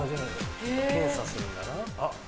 検査するんだなあっ。